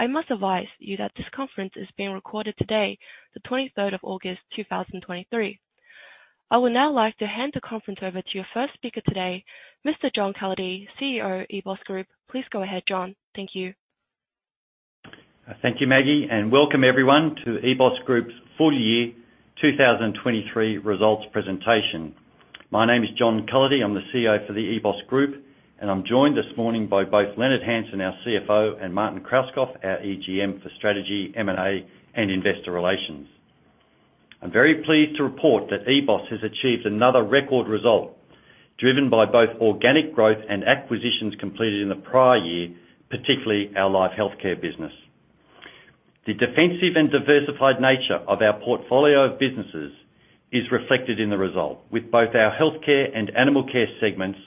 I must advise you that this conference is being recorded today, the 23rd of August, 2023. I would now like to hand the conference over to your first speaker today, Mr. John Cullity, CEO, EBOS Group. Please go ahead, John. Thank you. Thank you, Maggie, and welcome everyone to EBOS Group's full year 2023 results presentation. My name is John Cullity. I'm the CEO for the EBOS Group, and I'm joined this morning by both Leonard Hansen, our CFO, and Martin Krauskopf, our EGM for Strategy, M&A, and Investor Relations. I'm very pleased to report that EBOS has achieved another record result, driven by both organic growth and acquisitions completed in the prior year, particularly our LifeHealthcare business. The defensive and diversified nature of our portfolio of businesses is reflected in the result, with both our healthcare and animal care segments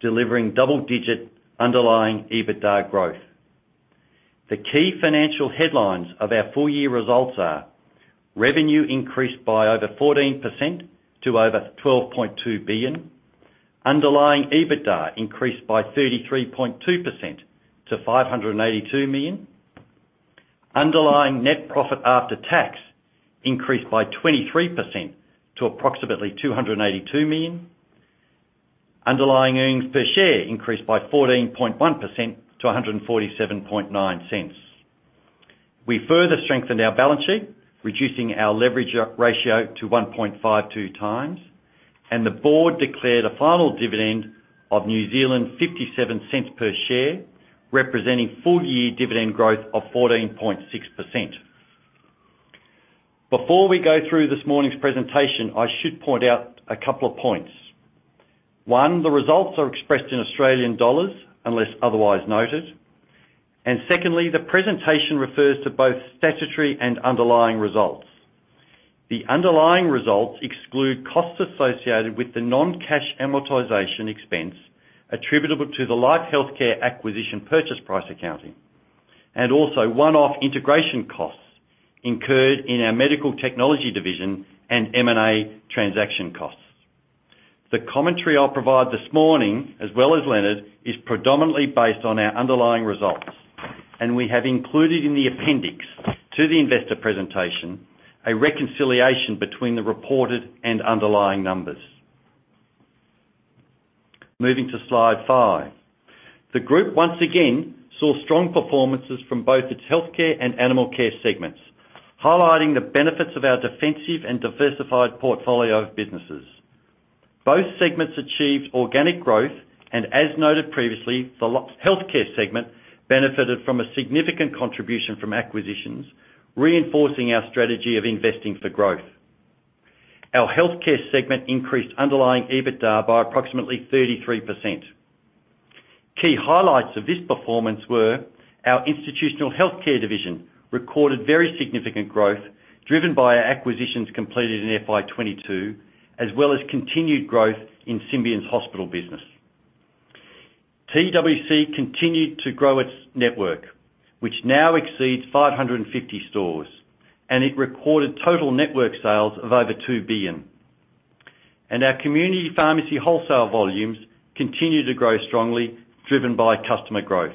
delivering double-digit underlying EBITDA growth. The key financial headlines of our full-year results are: Revenue increased by over 14% to over 12.2 billion. Underlying EBITDA increased by 33.2% to 582 million. Underlying NPAT increased by 23% to approximately AUD 282 million. Underlying EPS increased by 14.1% to 1.479. We further strengthened our balance sheet, reducing our leverage ratio to 1.52x, and the board declared a final dividend of 0.57 per share, representing full-year dividend growth of 14.6%. Before we go through this morning's presentation, I should point out a couple of points. One, the results are expressed in Australian dollars, unless otherwise noted. Secondly, the presentation refers to both statutory and underlying results. The underlying results exclude costs associated with the non-cash amortization expense attributable to the LifeHealthcare acquisition purchase price accounting, and also one-off integration costs incurred in our Medical Technology division and M&A transaction costs. The commentary I'll provide this morning, as well as Leonard, is predominantly based on our underlying results. We have included in the appendix to the investor presentation, a reconciliation between the reported and underlying numbers. Moving to Slide 5. The group, once again, saw strong performances from both its healthcare and animal care segments, highlighting the benefits of our defensive and diversified portfolio of businesses. Both segments achieved organic growth. As noted previously, the LifeHealthcare segment benefited from a significant contribution from acquisitions, reinforcing our strategy of investing for growth. Our healthcare segment increased underlying EBITDA by approximately 33%. Key highlights of this performance were our institutional healthcare division, recorded very significant growth driven by our acquisitions completed in FY 2022, as well as continued growth in Symbion's Hospital business. TWC continued to grow its network, which now exceeds 550 stores, and it recorded total network sales of over 2 billion. Our community pharmacy wholesale volumes continue to grow strongly, driven by customer growth.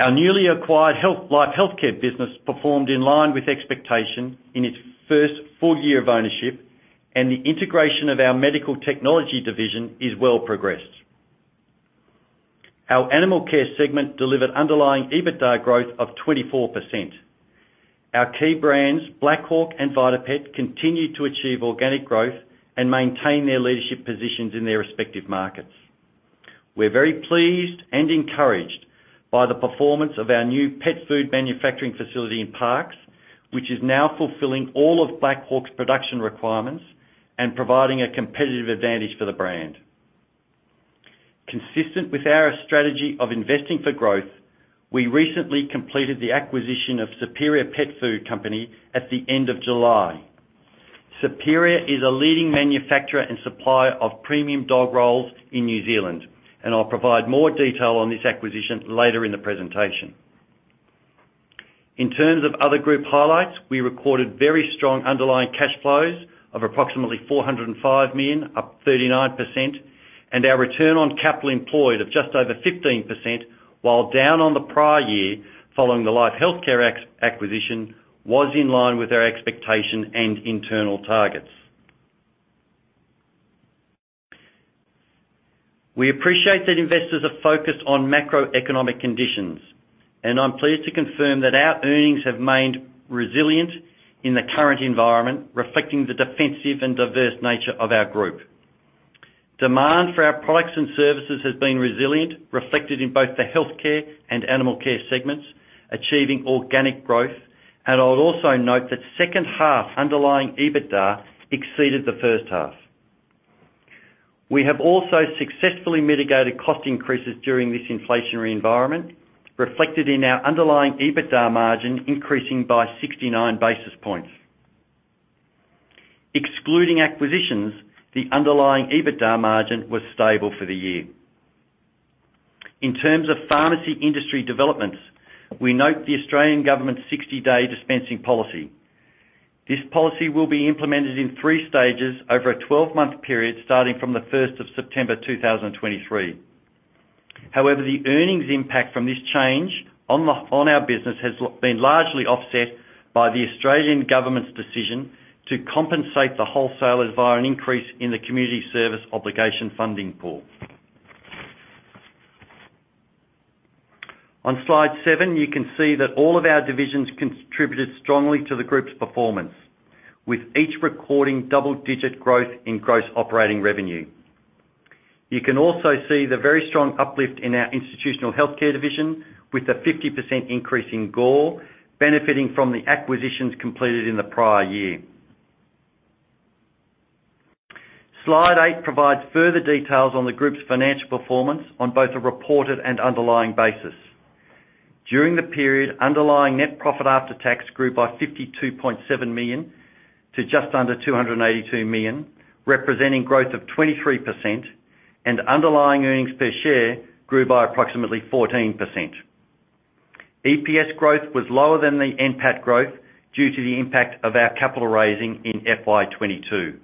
Our newly acquired LifeHealthcare business performed in line with expectation in its first full year of ownership, and the integration of our Medical Technology division is well progressed. Our animal care segment delivered underlying EBITDA growth of 24%. Our key brands, Black Hawk and VitaPet, continued to achieve organic growth and maintain their leadership positions in their respective markets. We're very pleased and encouraged by the performance of our new pet food manufacturing facility in Parkes, which is now fulfilling all of Black Hawk's production requirements and providing a competitive advantage for the brand. Consistent with our strategy of investing for growth, we recently completed the acquisition of Superior Pet Food Co. at the end of July. Superior is a leading manufacturer and supplier of premium dog rolls in New Zealand, I'll provide more detail on this acquisition later in the presentation. In terms of other group highlights, we recorded very strong underlying cash flows of approximately 405 million, up 39%. Our return on capital employed of just over 15%, while down on the prior year, following the LifeHealthcare acquisition, was in line with our expectation and internal targets. We appreciate that investors are focused on macroeconomic conditions, I'm pleased to confirm that our earnings have remained resilient in the current environment, reflecting the defensive and diverse nature of our group. Demand for our products and services has been resilient, reflected in both the healthcare and animal care segments, achieving organic growth. I'll also note that second half underlying EBITDA exceeded the H1. We have also successfully mitigated cost increases during this inflationary environment, reflected in our underlying EBITDA margin, increasing by 69 basis points. Excluding acquisitions, the underlying EBITDA margin was stable for the year. In terms of pharmacy industry developments, we note the Australian government's 60-day dispensing policy. This policy will be implemented in 3 stages over a 12-month period, starting from September 1, 2023. However, the earnings impact from this change on the, on our business has been largely offset by the Australian government's decision to compensate the wholesalers via an increase in the Community Service Obligation funding pool. On Slide 7, you can see that all of our divisions contributed strongly to the group's performance, with each recording double-digit growth in gross operating revenue. You can also see the very strong uplift in our institutional healthcare division, with a 50% increase in GOR, benefiting from the acquisitions completed in the prior year. Slide 8 provides further details on the group's financial performance on both a reported and underlying basis. During the period, underlying net profit after tax grew by 52.7 million to just under 282 million, representing growth of 23%. Underlying earnings per share grew by approximately 14%. EPS growth was lower than the NPAT growth due to the impact of our capital raising in FY 2022.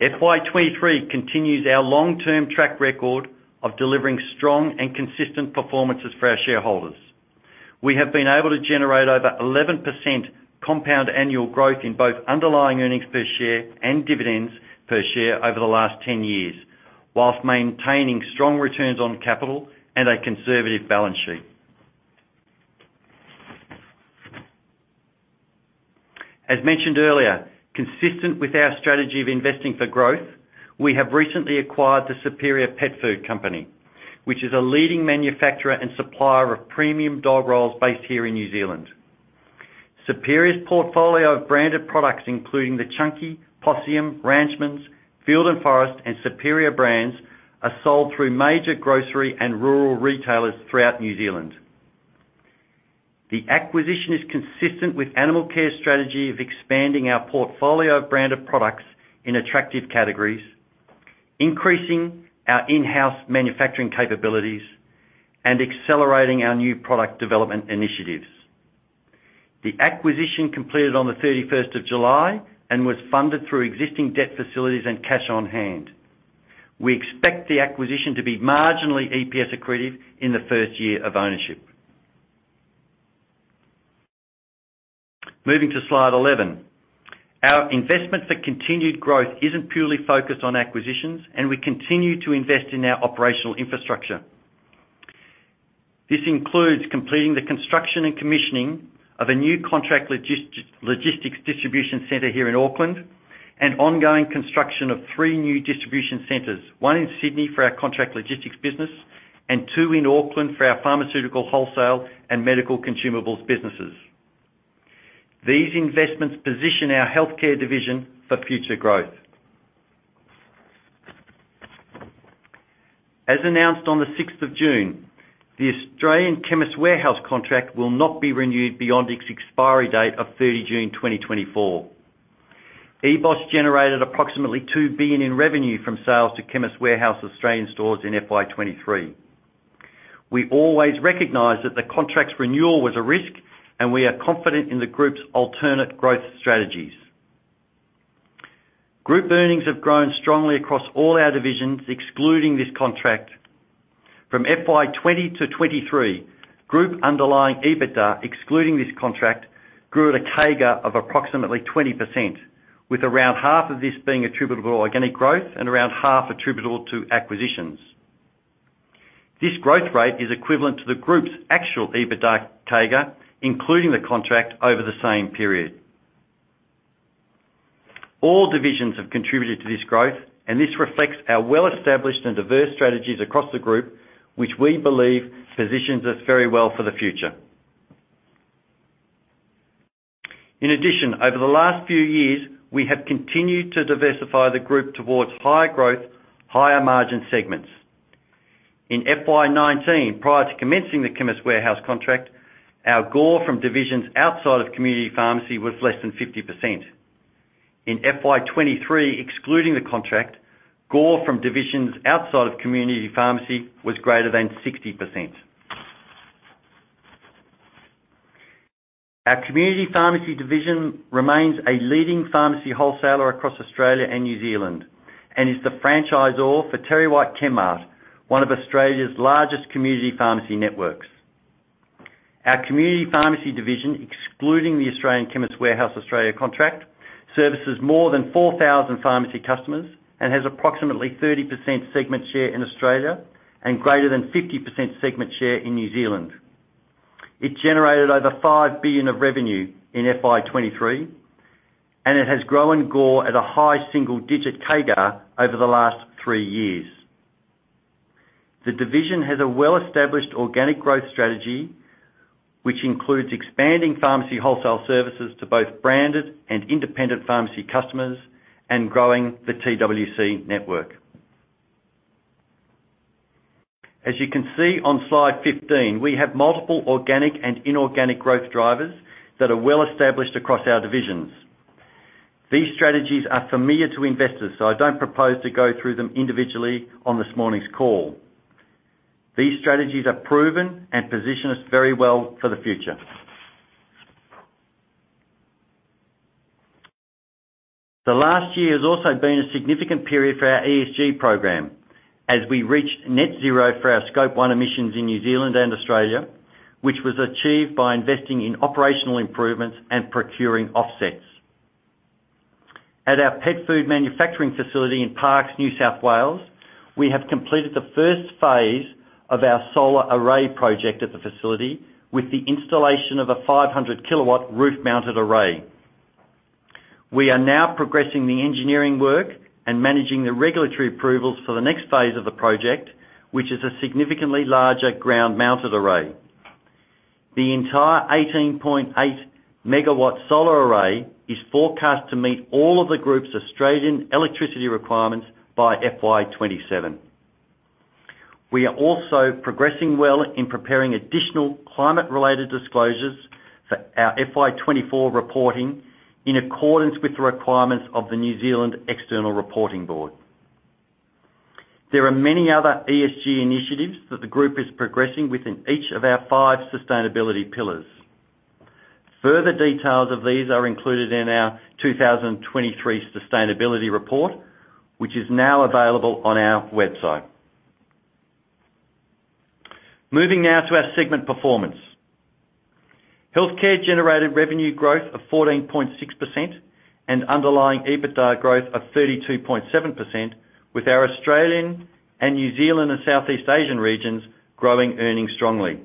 FY 2023 continues our long-term track record of delivering strong and consistent performances for our shareholders. We have been able to generate over 11% compound annual growth in both underlying earnings per share and dividends per share over the last 10 years, while maintaining strong returns on capital and a conservative balance sheet. As mentioned earlier, consistent with our strategy of investing for growth, we have recently acquired the Superior Pet Food Co., which is a leading manufacturer and supplier of premium dog rolls based here in New Zealand. Superior's portfolio of branded products, including the Chunky, Possyum, Ranchmans, Field and Forest, and Superior brands, are sold through major grocery and rural retailers throughout New Zealand. The acquisition is consistent with Animal Care's strategy of expanding our portfolio of branded products in attractive categories, increasing our in-house manufacturing capabilities, and accelerating our new product development initiatives. The acquisition completed on the 31st of July and was funded through existing debt facilities and cash on hand. We expect the acquisition to be marginally EPS accretive in the first year of ownership. Moving to Slide 11. Our investment for continued growth isn't purely focused on acquisitions, and we continue to invest in our operational infrastructure. This includes completing the construction and commissioning of a new contract logistics distribution center here in Auckland, and ongoing construction of 3 new distribution centers, 1 in Sydney for our contract logistics business and 2 in Auckland for our pharmaceutical, wholesale, and medical consumables businesses. These investments position our healthcare division for future growth. As announced on the 6th of June, the Australian Chemist Warehouse contract will not be renewed beyond its expiry date of 30 June, 2024. EBOS generated approximately 2 billion in revenue from sales to Chemist Warehouse Australian stores in FY 2023. We always recognized that the contract's renewal was a risk, and we are confident in the group's alternate growth strategies. Group earnings have grown strongly across all our divisions, excluding this contract. From FY 20-23, group underlying EBITDA, excluding this contract, grew at a CAGR of approximately 20%, with around 50% of this being attributable to organic growth and around 50% attributable to acquisitions. This growth rate is equivalent to the group's actual EBITDA CAGR, including the contract over the same period. All divisions have contributed to this growth, and this reflects our well-established and diverse strategies across the group, which we believe positions us very well for the future. In addition, over the last few years, we have continued to diversify the group towards higher growth, higher margin segments. In FY 2019, prior to commencing the Chemist Warehouse contract, our GOR from divisions outside of community pharmacy was less than 50%. In FY 2023, excluding the contract, GOR from divisions outside of community pharmacy was greater than 60%. Our community pharmacy division remains a leading pharmacy wholesaler across Australia and New Zealand, and is the franchisor for TerryWhite Chemmart, one of Australia's largest community pharmacy networks. Our community pharmacy division, excluding the Australian Chemist Warehouse Australia contract, services more than 4,000 pharmacy customers and has approximately 30% segment share in Australia and greater than 50% segment share in New Zealand. It generated over AUD 5 billion of revenue in FY 2023, and it has grown GOR at a high single-digit CAGR over the last three years. The division has a well-established organic growth strategy, which includes expanding pharmacy wholesale services to both branded and independent pharmacy customers and growing the TWC network. As you can see on Slide 15, we have multiple organic and inorganic growth drivers that are well established across our divisions. These strategies are familiar to investors, so I don't propose to go through them individually on this morning's call. These strategies are proven and position us very well for the future. The last year has also been a significant period for our ESG program, as we reached net zero for our Scope 1 emissions in New Zealand and Australia, which was achieved by investing in operational improvements and procuring offsets. At our pet food manufacturing facility in Parkes, New South Wales, we have completed the first phase of our solar array project at the facility, with the installation of a 500 kilowatt roof-mounted array. We are now progressing the engineering work and managing the regulatory approvals for the next phase of the project, which is a significantly larger ground-mounted array. The entire 18.8 megawatt solar array is forecast to meet all of the Group's Australian electricity requirements by FY 2027. We are also progressing well in preparing additional climate-related disclosures for our FY 2024 reporting, in accordance with the requirements of the New Zealand External Reporting Board. There are many other ESG initiatives that the group is progressing within each of our five sustainability pillars. Further details of these are included in our 2023 sustainability report, which is now available on our website. Moving now to our segment performance. Healthcare generated revenue growth of 14.6% and underlying EBITDA growth of 32.7%, with our Australian and New Zealand and Southeast Asian regions growing earnings strongly.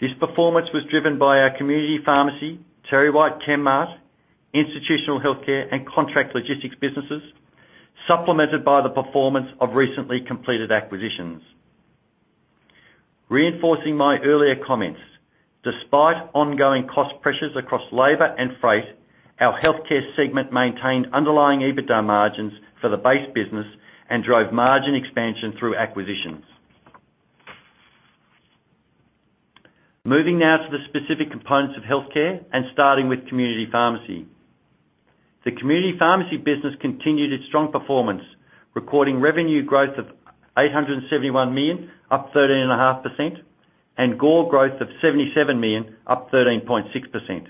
This performance was driven by our community pharmacy, TerryWhite Chemmart, institutional healthcare, and contract logistics businesses, supplemented by the performance of recently completed acquisitions. Reinforcing my earlier comments, despite ongoing cost pressures across labor and freight, our healthcare segment maintained underlying EBITDA margins for the base business and drove margin expansion through acquisitions. Moving now to the specific components of healthcare and starting with community pharmacy. The community pharmacy business continued its strong performance, recording revenue growth of 871 million, up 13.5%, and GOR growth of 77 million, up 13.6%.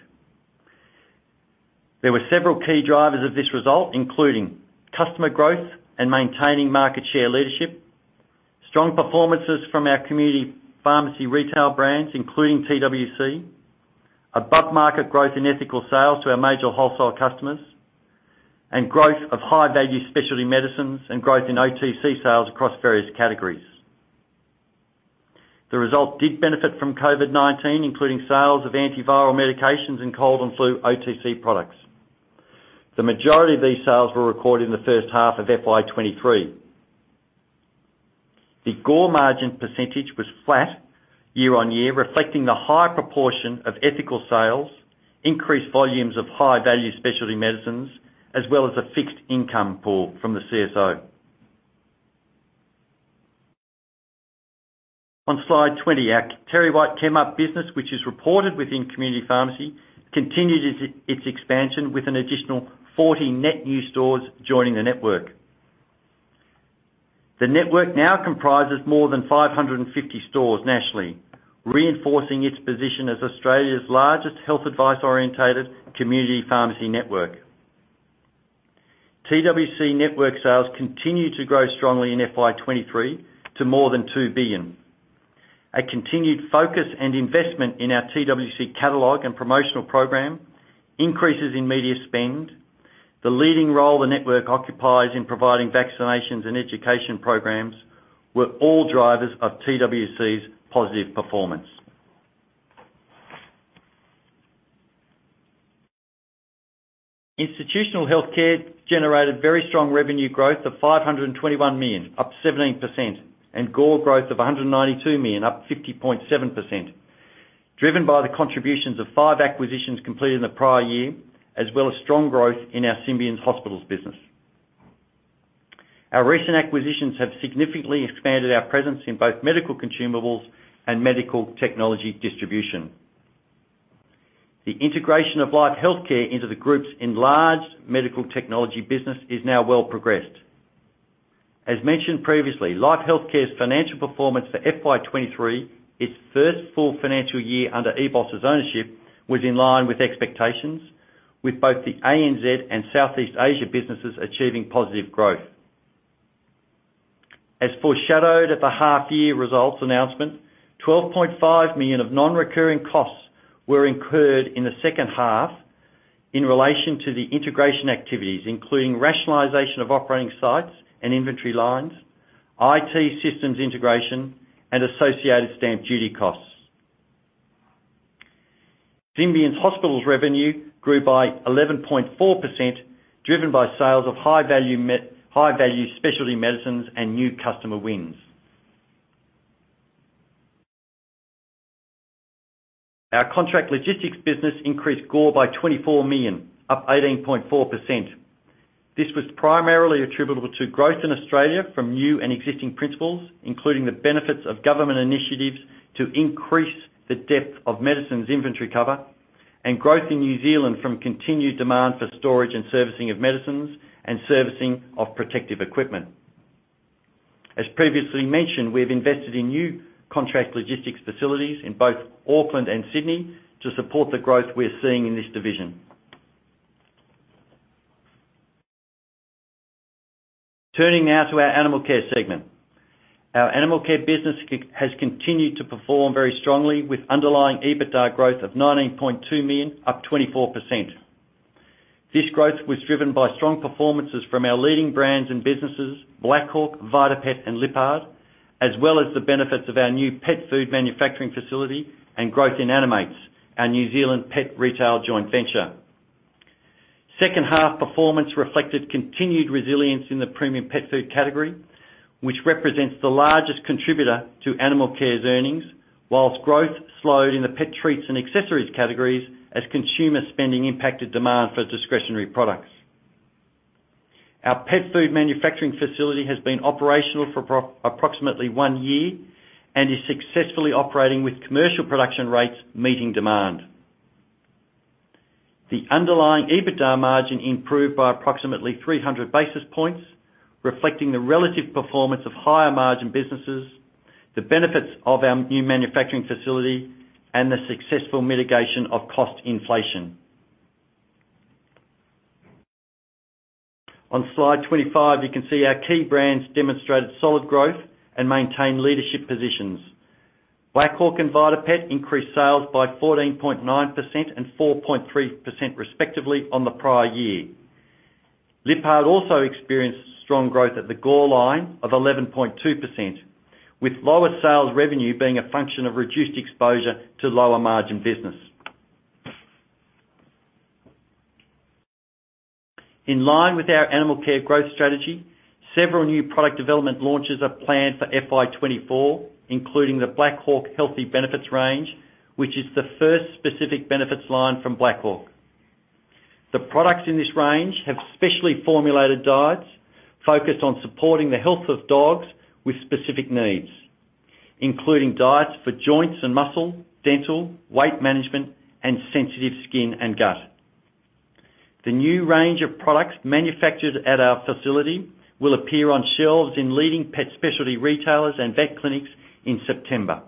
There were several key drivers of this result, including customer growth and maintaining market share leadership, strong performances from our community pharmacy retail brands, including TWC, above-market growth in ethical sales to our major wholesale customers, and growth of high-value specialty medicines, and growth in OTC sales across various categories. The result did benefit from COVID-19, including sales of antiviral medications and cold and flu OTC products. The majority of these sales were recorded in the H1 of FY 23. The GOR margin % was flat year-on-year, reflecting the high proportion of ethical sales, increased volumes of high-value specialty medicines, as well as a fixed income pool from the CSO. On Slide 20, our TerryWhite Chemmart business, which is reported within Community Pharmacy, continued its expansion with an additional 40 net new stores joining the network. The network now comprises more than 550 stores nationally, reinforcing its position as Australia's largest health advice-oriented community pharmacy network. TWC network sales continued to grow strongly in FY 2023 to more than 2 billion. A continued focus and investment in our TWC catalog and promotional program, increases in media spend, the leading role the network occupies in providing vaccinations and education programs, were all drivers of TWC's positive performance. Institutional healthcare generated very strong revenue growth of 521 million, up 17%, and GOR growth of 192 million, up 50.7%, driven by the contributions of five acquisitions completed in the prior year, as well as strong growth in our Symbion Hospitals business. Our recent acquisitions have significantly expanded our presence in both medical consumables and Medical Technology distribution. The integration of LifeHealthcare into the Group's enlarged Medical Technology business is now well progressed. As mentioned previously, LifeHealthcare's financial performance for FY 2023, its first full financial year under EBOS's ownership, was in line with expectations, with both the ANZ and Southeast Asia businesses achieving positive growth. As foreshadowed at the half-year results announcement, 12.5 million of non-recurring costs were incurred in the second half in relation to the integration activities, including rationalization of operating sites and inventory lines, IT systems integration, and associated stamp duty costs. Symbion's hospitals revenue grew by 11.4%, driven by sales of high-value specialty medicines and new customer wins. Our contract logistics business increased GOR by 24 million, up 18.4%. This was primarily attributable to growth in Australia from new and existing principals, including the benefits of government initiatives to increase the depth of medicines inventory cover, and growth in New Zealand from continued demand for storage and servicing of medicines and servicing of protective equipment. As previously mentioned, we have invested in new contract logistics facilities in both Auckland and Sydney to support the growth we are seeing in this division. Turning now to our Animal Care segment. Our Animal Care business has continued to perform very strongly, with underlying EBITDA growth of 19.2 million, up 24%. This growth was driven by strong performances from our leading brands and businesses, Black Hawk, VitaPet, and Lyppard, as well as the benefits of our new pet food manufacturing facility and growth in Animates, our New Zealand pet retail joint venture. Second half performance reflected continued resilience in the premium pet food category, which represents the largest contributor to Animal Care's earnings, whilst growth slowed in the pet treats and accessories categories as consumer spending impacted demand for discretionary products. Our pet food manufacturing facility has been operational for approximately one year and is successfully operating with commercial production rates, meeting demand. The underlying EBITDA margin improved by approximately 300 basis points, reflecting the relative performance of higher margin businesses, the benefits of our new manufacturing facility, and the successful mitigation of cost inflation. On Slide 25, you can see our key brands demonstrated solid growth and maintained leadership positions. Black Hawk and VitaPet increased sales by 14.9% and 4.3% respectively, on the prior year. Lyppard also experienced strong growth at the GOR of 11.2%, with lower sales revenue being a function of reduced exposure to lower margin business. In line with our Animal Care growth strategy, several new product development launches are planned for FY 2024, including the Black Hawk Healthy Benefits range, which is the first specific benefits line from Black Hawk. The products in this range have specially formulated diets focused on supporting the health of dogs with specific needs, including diets for joints and muscle, dental, weight management, and sensitive skin and gut. The new range of products manufactured at our facility will appear on shelves in leading pet specialty retailers and vet clinics in September.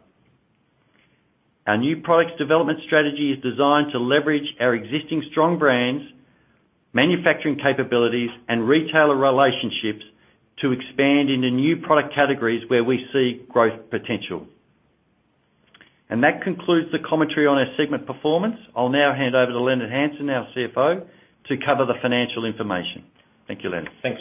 Our new products development strategy is designed to leverage our existing strong brands, manufacturing capabilities, and retailer relationships to expand into new product categories where we see growth potential. That concludes the commentary on our segment performance. I'll now hand over to Leonard Hansen, our CFO, to cover the financial information. Thank you, Leonard. Thanks,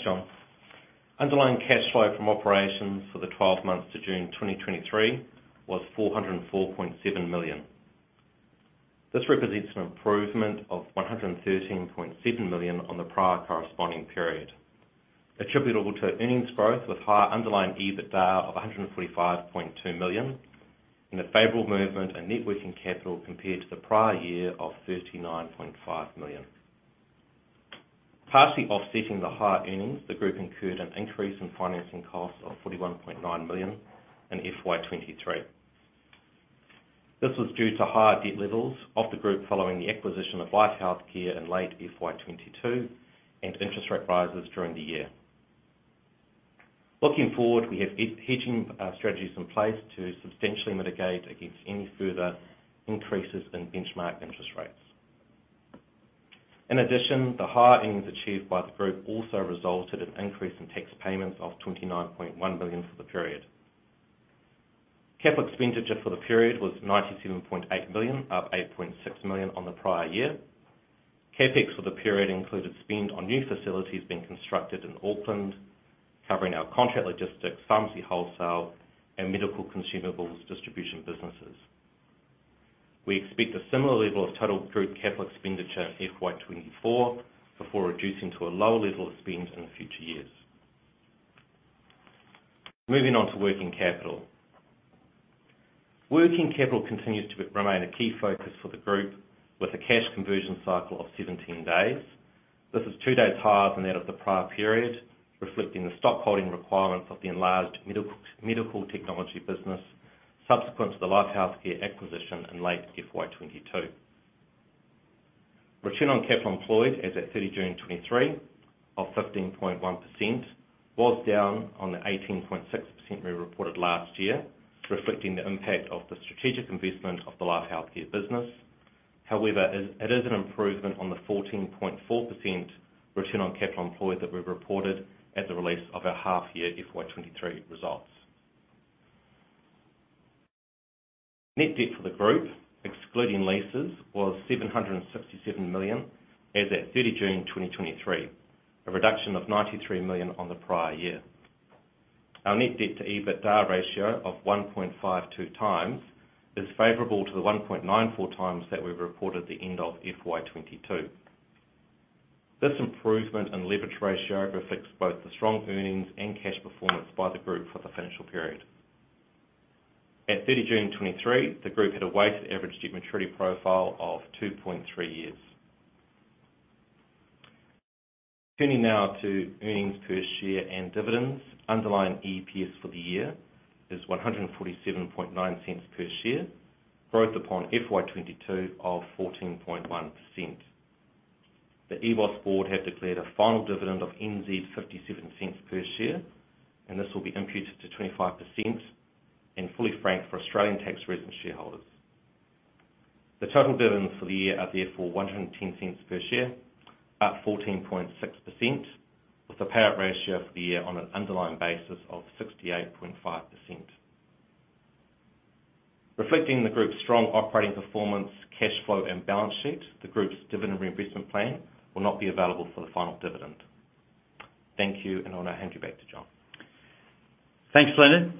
John. Underlying cash flow from operations for the 12 months to June 2023 was 404.7 million. This represents an improvement of 113.7 million on the prior corresponding period, attributable to earnings growth with higher underlying EBITDA of 145.2 million, and a favorable movement and net working capital compared to the prior year of 39.5 million. Partially offsetting the higher earnings, the group incurred an increase in financing costs of 41.9 million in FY 2023. This was due to higher debt levels of the group following the acquisition of LifeHealthcare in late FY 2022 and interest rate rises during the year. Looking forward, we have hedging strategies in place to substantially mitigate against any further increases in benchmark interest rates. In addition, the higher earnings achieved by the group also resulted in an increase in tax payments of 29.1 million for the period. Capital expenditure for the period was 97.8 million, up 8.6 million on the prior year. CapEx for the period included spend on new facilities being constructed in Auckland, covering our contract logistics, pharmacy wholesale, and medical consumables distribution businesses. We expect a similar level of total group capital expenditure in FY 2024, before reducing to a lower level of spend in the future years. Moving on to working capital. Working capital continues to remain a key focus for the group, with a cash conversion cycle of 17 days. This is two days higher than that of the prior period, reflecting the stockholding requirements of the enlarged Medical Technology business subsequent to the LifeHealthcare acquisition in late FY 2022. Return on capital employed as at June 30, 2023, of 15.1%, was down on the 18.6% we reported last year, reflecting the impact of the strategic investment of the LifeHealthcare business. However, it, it is an improvement on the 14.4% return on capital employed that we reported at the release of our half year FY23 results. Net debt for the group, excluding leases, was AUD 767 million as at June 30, 2023, a reduction of AUD 93 million on the prior year. Our net debt to EBITDA ratio of 1.52x is favorable to the 1.94x that we've reported at the end of FY22. This improvement in leverage ratio reflects both the strong earnings and cash performance by the group for the financial period. At 30 June 2023, the group had a weighted average debt maturity profile of 2.3 years. Turning now to earnings per share and dividends. Underlying EPS for the year is 1.479 per share, growth upon FY 2022 of 14.1%. The EBOS board have declared a final dividend of 0.57 per share, this will be imputed to 25% and fully franked for Australian tax resident shareholders. The total dividends for the year are therefore 1.10 per share, up 14.6%, with the payout ratio for the year on an underlying basis of 68.5%. Reflecting the group's strong operating performance, cash flow, and balance sheet, the group's Dividend Reinvestment Plan will not be available for the final dividend. Thank you. I'll now hand you back to John. Thanks, Leonard.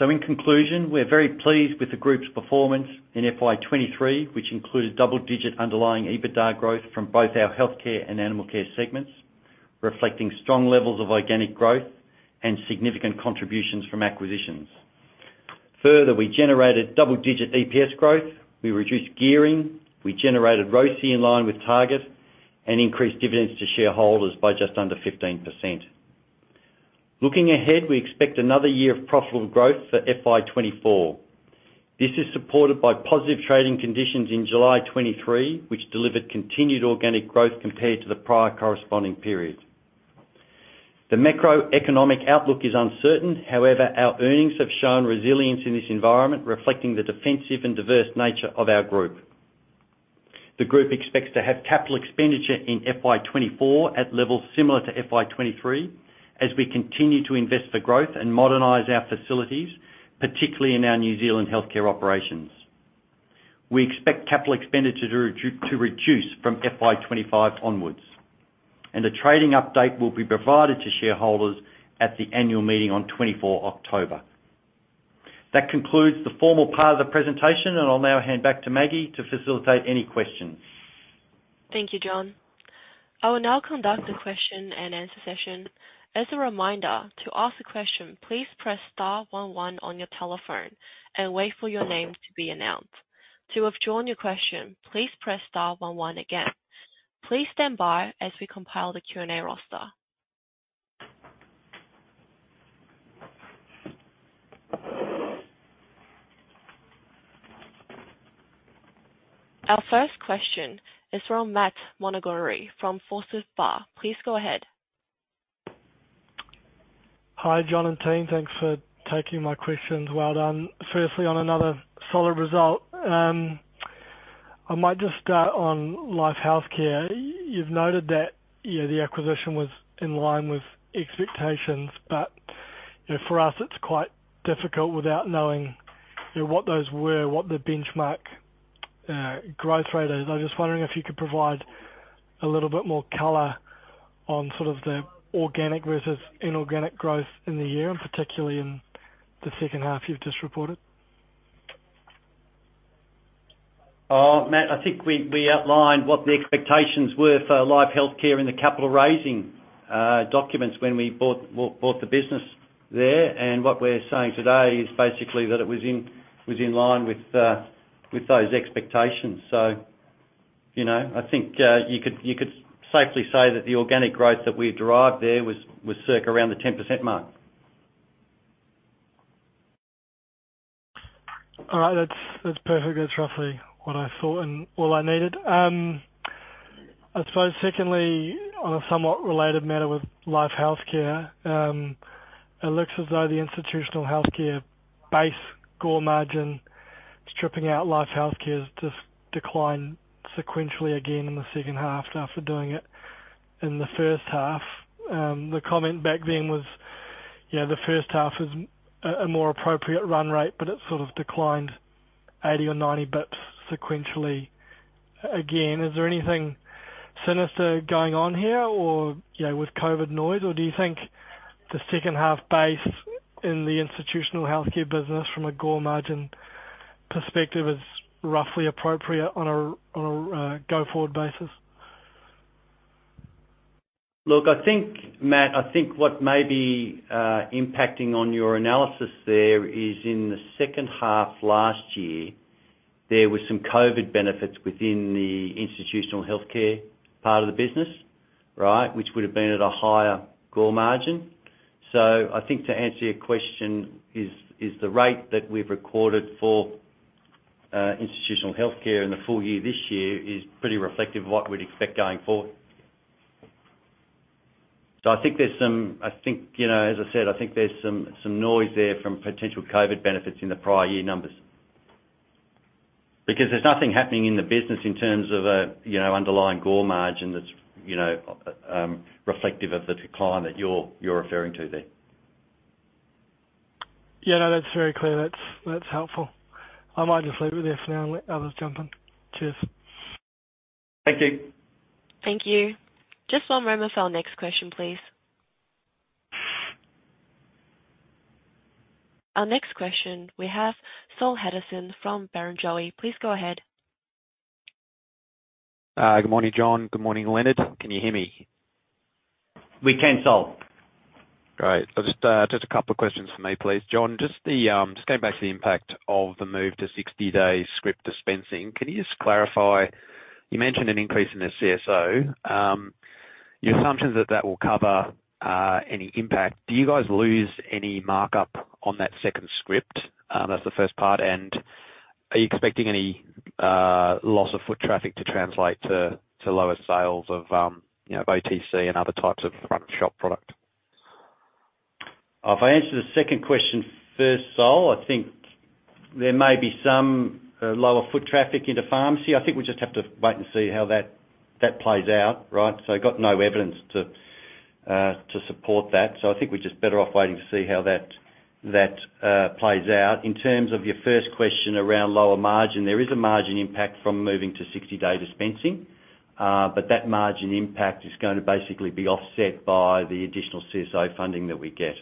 In conclusion, we're very pleased with the group's performance in FY 2023, which included double-digit underlying EBITDA growth from both our health care and animal care segments, reflecting strong levels of organic growth and significant contributions from acquisitions. Further, we generated double-digit EPS growth, we reduced gearing, we generated ROCE in line with target, and increased dividends to shareholders by just under 15%. Looking ahead, we expect another year of profitable growth for FY 2024. This is supported by positive trading conditions in July 2023, which delivered continued organic growth compared to the prior corresponding period. The macroeconomic outlook is uncertain, however, our earnings have shown resilience in this environment, reflecting the defensive and diverse nature of our group. The group expects to have capital expenditure in FY 2024 at levels similar to FY 2023, as we continue to invest for growth and modernize our facilities, particularly in our New Zealand healthcare operations. We expect capital expenditure to reduce from FY 2025 onwards, and a trading update will be provided to shareholders at the annual meeting on 24 October. That concludes the formal part of the presentation, and I'll now hand back to Maggie to facilitate any questions. Thank you, John. I will now conduct the question-and-answer session. As a reminder, to ask a question, please press * 11 on your telephone and wait for your name to be announced. To withdraw your question, please press * 11 again. Please stand by as we compile the Q&A roster. Our first question is from Matt Montgomerie from Forsyth Barr. Please go ahead. Hi, John and team. Thanks for taking my questions. Well done. Firstly, on another solid result, I might just start on LifeHealthcare. You've noted that, you know, the acquisition was in line with expectations, but, you know, for us, it's quite difficult without knowing, you know, what those were, what the benchmark growth rate is. I'm just wondering if you could provide a little bit more color on sort of the organic versus inorganic growth in the year, and particularly in the second half you've just reported. Matt, I think we, we outlined what the expectations were for LifeHealthcare in the capital raising documents when we bought, bought the business there. What we're saying today is basically that it was in, was in line with those expectations. You know, I think, you could, you could safely say that the organic growth that we derived there was, was circa around the 10% mark. All right. That's, that's perfect. That's roughly what I thought and all I needed. I suppose secondly, on a somewhat related matter with LifeHealthcare, it looks as though the institutional healthcare base core margin, stripping out LifeHealthcare, has just declined sequentially again in the second half after doing it in the H1. The comment back then was, "Yeah, the H1 is a, a more appropriate run rate," but it sort of declined 80 or 90 basis points sequentially. Is there anything sinister going on here, or, you know, with COVID noise? Or do you think the second half base in the institutional healthcare business from a core margin perspective is roughly appropriate on a, on a go-forward basis? Look, I think, Matt, I think what may be impacting on your analysis there is in the second half last year, there were some COVID benefits within the institutional healthcare part of the business, right? Which would have been at a higher core margin. I think to answer your question, is, is the rate that we've recorded for institutional healthcare in the full year this year is pretty reflective of what we'd expect going forward. I think, you know, as I said, I think there's some, some noise there from potential COVID benefits in the prior year numbers. There's nothing happening in the business in terms of a, you know, underlying core margin that's, you know, reflective of the decline that you're, you're referring to there. Yeah, no, that's very clear. That's, that's helpful. I might just leave it there for now and let others jump in. Cheers. Thank you. Thank you. Just one moment for our next question, please. Our next question, we have Saul Richardson from Barrenjoey. Please go ahead. Good morning, John. Good morning, Leonard. Can you hear me? We can, Saul. Great! Let's start, just a couple of questions for me, please. John, just the, just going back to the impact of the move to 60-day script dispensing, can you just clarify? You mentioned an increase in the CSO, your assumptions that, that will cover any impact. Do you guys lose any markup on that second script? That's the first part. Are you expecting any loss of foot traffic to translate to, to lower sales of, you know, OTC and other types of front-of-shop product? If I answer the second question first, Saul, I think there may be some lower foot traffic into pharmacy. I think we just have to wait and see how that, that plays out, right? I've got no evidence to support that. I think we're just better off waiting to see how that, that plays out. In terms of your first question around lower margin, there is a margin impact from moving to 60-day dispensing, but that margin impact is gonna basically be offset by the additional CSO funding that we get,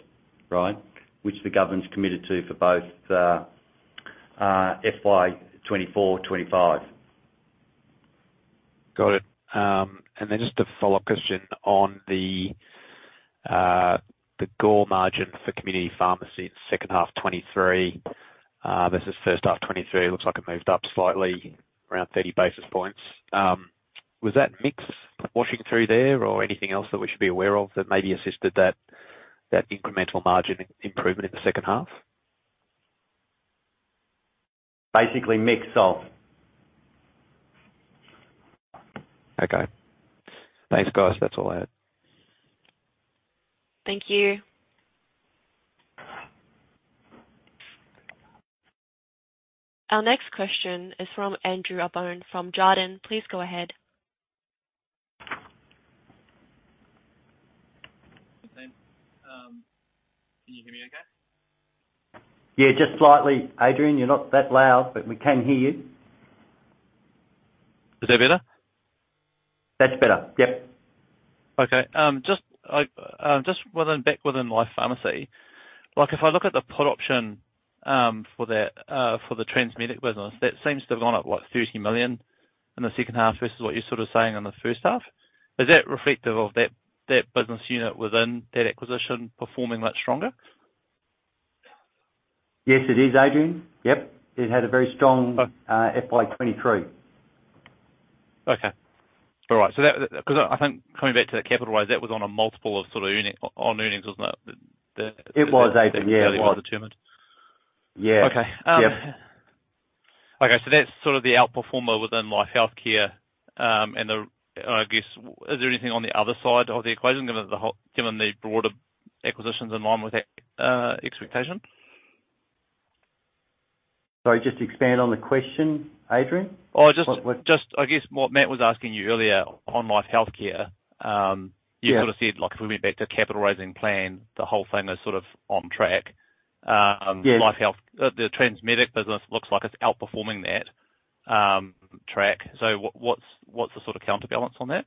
right? Which the government's committed to for both FY 2024, 2025. Got it. Then just a follow-up question on the GOR margin for Community Pharmacy in second half 2023. Versus H1 2023, it looks like it moved up slightly, around 30 basis points. Was that mix washing through there or anything else that we should be aware of that maybe assisted that, that incremental margin improvement in the second half? Basically mix, Saul. Okay. Thanks, guys. That's all I had. Thank you. Our next question is from Andrew Abbott, from Jarden. Please go ahead. Okay. Can you hear me okay? Yeah, just slightly. Adrian, you're not that loud, but we can hear you. Is that better? That's better. Yep. Okay, just back within Life Pharmacy, like, if I look at the put option for the Transmedic business, that seems to have gone up, what? 30 million in the second half versus what you're sort of saying in the H1. Is that reflective of that, that business unit within that acquisition performing much stronger? Yes, it is, Adrian. Yep. It had a very strong- Oh. FY 23. Okay. All right. That, 'cause I think coming back to the capitalize, that was on a multiple of sort of on earnings, wasn't it? It was, Adrian, yeah. Earlier determined. Yeah. Okay. Yeah. Okay, that's sort of the outperformer within LifeHealthcare. The, I guess, is there anything on the other side of the equation, given given the broader acquisitions in line with that expectation? Sorry, just expand on the question, Adrian. Oh, What, what- Just, I guess, what Matt was asking you earlier on LifeHealthcare. Yeah. You sort of said, like, if we went back to capitalizing plan, the whole thing is sort of on track. Yeah. Life Health, the Transmedic business looks like it's outperforming that track. What's, what's the sort of counterbalance on that?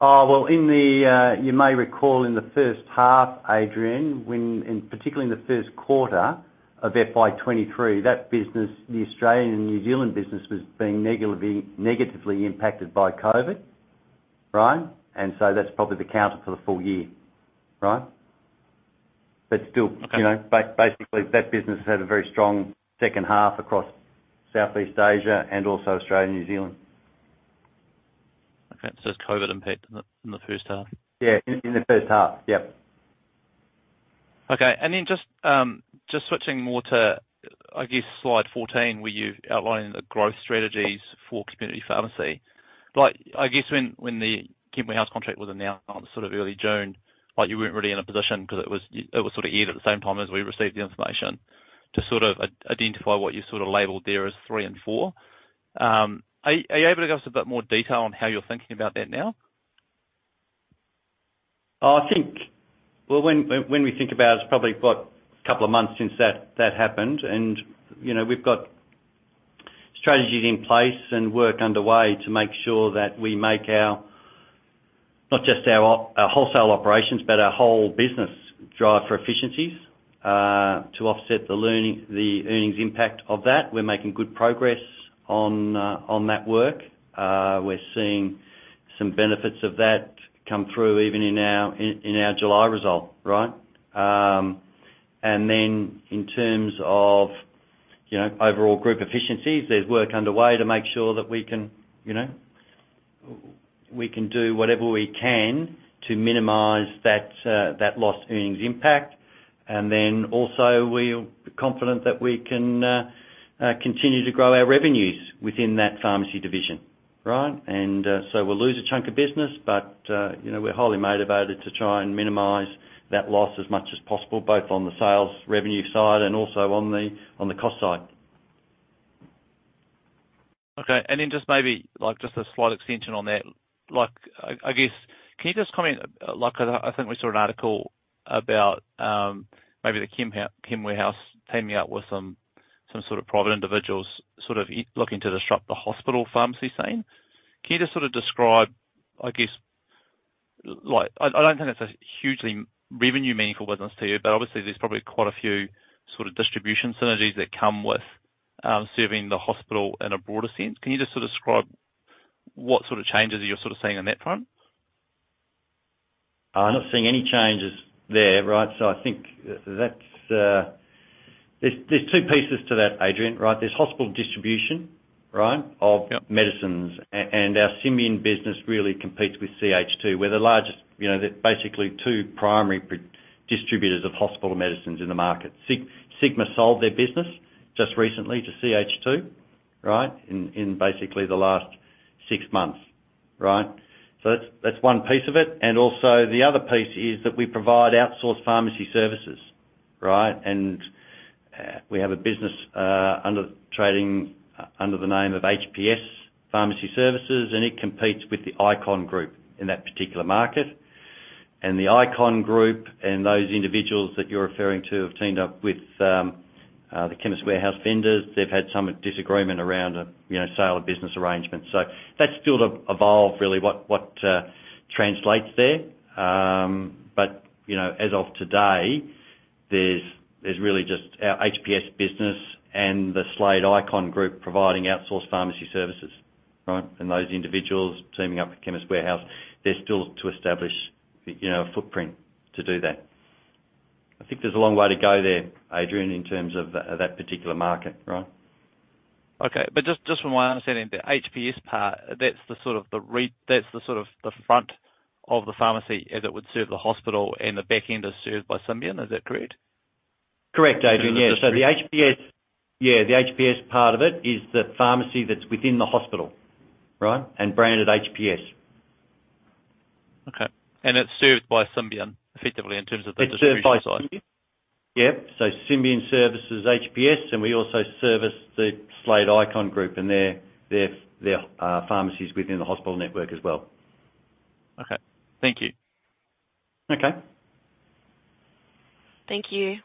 Well, in the, you may recall in the H1, Adrian, when and particularly in the Q1 of FY 2023, that business, the Australian and New Zealand business, was being negatively, negatively impacted by COVID. Right? So that's probably the counter for the full year, right? Still- Okay. you know, basically, that business had a very strong second half across Southeast Asia and also Australia and New Zealand. Okay, it's COVID impact in the, in the H1? Yeah, in the H1. Yep. Okay. Then just switching more to, I guess, slide 14, where you've outlined the growth strategies for Community Pharmacy. Like, I guess when the Chemhouse contract was announced sort of early June, like, you weren't really in a position because it was, it was sort of aired at the same time as we received the information, to sort of identify what you sort of labeled there as 3 and 4. Are, are you able to give us a bit more detail on how you're thinking about that now? I think, when we think about it, it's probably got two months since that happened, you know, we've got strategies in place and work underway to make sure that we make our, not just our wholesale operations, but our whole business drive for efficiencies to offset the earnings impact of that. We're making good progress on that work. We're seeing some benefits of that come through, even in our July result, right? In terms of, you know, overall group efficiencies, there's work underway to make sure that we can, you know, we can do whatever we can to minimize that loss earnings impact. Also, we're confident that we can continue to grow our revenues within that pharmacy division, right? We'll lose a chunk of business, but, you know, we're highly motivated to try and minimize that loss as much as possible, both on the sales revenue side and also on the, on the cost side. Okay, then just maybe like just a slight extension on that. Like, I, I guess, can you just comment, like, I, I think we saw an article about, maybe the Chemist Warehouse teaming up with some, some sort of private individuals, looking to disrupt the hospital pharmacy scene. Can you just sort of describe, Like, I, I don't think that's a hugely revenue meaningful business to you, but obviously, there's probably quite a few sort of distribution synergies that come with serving the hospital in a broader sense. Can you just sort of describe what sort of changes you're sort of seeing on that front? I'm not seeing any changes there, right? I think that's, there's, there's two pieces to that, Adrian, right? There's hospital distribution, right, of medicines. Our Symbion business really competes with CH2. We're the largest, you know, the basically two primary distributors of hospital medicines in the market. Sigma sold their business just recently to CH2, right? In basically the last six months, right? That's one piece of it. Also, the other piece is that we provide outsourced pharmacy services, right? We have a business, under trading, under the name of HPS Pharmacy Services, and it competes with the Icon Group in that particular market. The Icon Group, and those individuals that you're referring to, have teamed up with the Chemist Warehouse vendors. They've had some disagreement around a, you know, sale of business arrangements. That's still to evolve, really what, what translates there. You know, as of today, there's, there's really just our HPS business and the Slade Icon Group providing outsourced pharmacy services, right? Those individuals teaming up with Chemist Warehouse, they're still to establish, you know, a footprint to do that. I think there's a long way to go there, Adrian, in terms of of that particular market, right. Okay. Just, just from my understanding, the HPS part, that's the sort of the front of the pharmacy as it would serve the hospital, and the back end is served by Symbion. Is that correct? Correct, Adrian. In the district. Yeah. Yeah, the HPS part of it is the pharmacy that's within the hospital, right? Branded HPS. Okay. It's served by Symbion, effectively, in terms of the distribution side? It's served by Symbion. Yep. Symbion services HPS, and we also service the Slade Icon Group, and their pharmacies within the hospital network as well. Okay. Thank you. Okay. Thank you.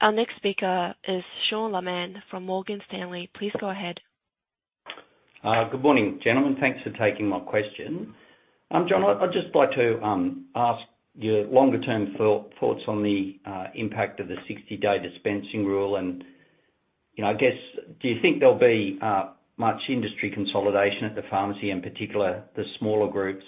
Our next speaker is Sean Laaman from Morgan Stanley. Please go ahead. Good morning, gentlemen. Thanks for taking my question. John, I'd just like to ask your longer term thoughts on the impact of the 60-day dispensing rule. You know, I guess, do you think there'll be much industry consolidation at the pharmacy, in particular, the smaller groups?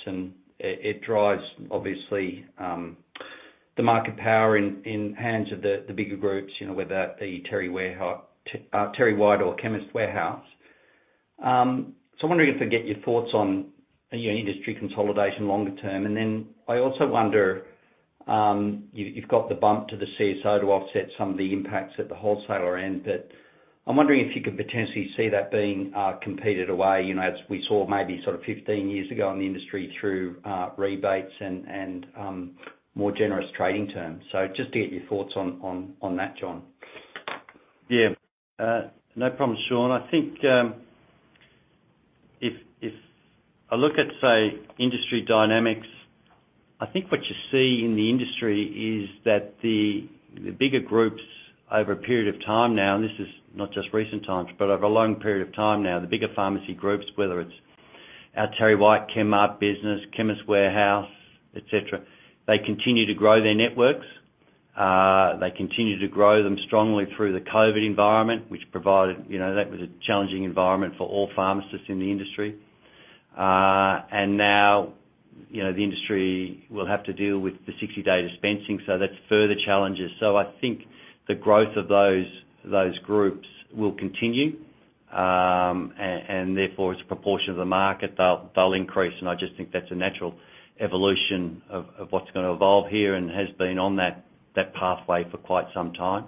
It drives obviously the market power in hands of the bigger groups, you know, whether that be Terry White or Chemist Warehouse. So I'm wondering if I could get your thoughts on, you know, industry consolidation longer term. Then I also wonder, you've got the bump to the CSO to offset some of the impacts at the wholesaler end. I'm wondering if you could potentially see that being competed away, you know, as we saw maybe sort of 15 years ago in the industry through rebates and, and, more generous trading terms. Just to get your thoughts on, on, on that, John. Yeah. No problem, Sean Laaman. I think, if, if I look at, say, industry dynamics, I think what you see in the industry is that the, the bigger groups over a period of time now, and this is not just recent times, but over a long period of time now, the bigger pharmacy groups, whether it's, TerryWhite Chemmart business, Chemist Warehouse, et cetera, they continue to grow their networks. They continue to grow them strongly through the COVID environment, which provided... You know, that was a challenging environment for all pharmacists in the industry. Now, you know, the industry will have to deal with the 60-day dispensing, so that's further challenges. I think the growth of those, those groups will continue. Therefore, its proportion of the market, they'll, they'll increase, and I just think that's a natural evolution of, of what's gonna evolve here and has been on that, that pathway for quite some time.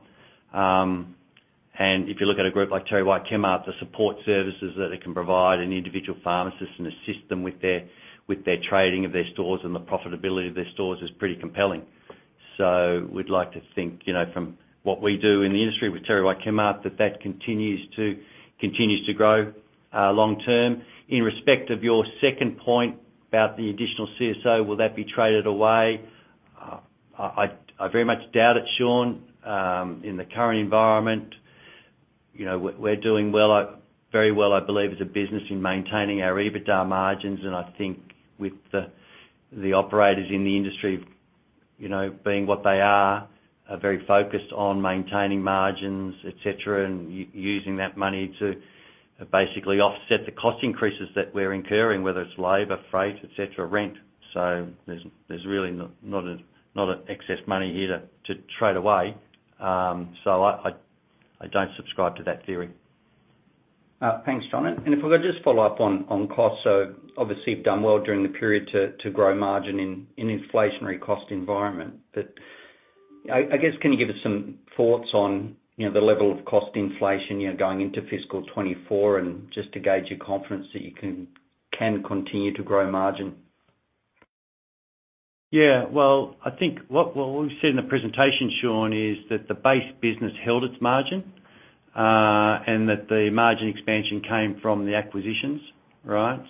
If you look at a group like TerryWhite Chemmart, the support services that it can provide, and the individual pharmacists, and assist them with their, with their trading of their stores and the profitability of their stores, is pretty compelling. We'd like to think, you know, from what we do in the industry with TerryWhite Chemmart, that that continues to, continues to grow long term. In respect of your second point about the additional CSO, will that be traded away? I, I very much doubt it, Sean. In the current environment, you know, we're doing well, very well, I believe, as a business in maintaining our EBITDA margins, and I think with the, the operators in the industry, you know, being what they are, are very focused on maintaining margins, et cetera, and using that money to basically offset the cost increases that we're incurring, whether it's labor, freight, et cetera, rent. There's there's really not a, not a excess money here to trade away. I don't subscribe to that theory. Thanks, John. If I could just follow up on cost. Obviously, you've done well during the period to grow margin in an inflationary cost environment. I guess, can you give us some thoughts on, you know, the level of cost inflation, you know, going into fiscal 2024, and just to gauge your confidence that you can continue to grow margin? Yeah. Well, I think what, what we've said in the presentation, Sean, is that the base business held its margin, and that the margin expansion came from the acquisitions, right?